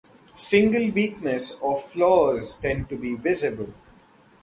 Single weakness or flaws tend to be visible.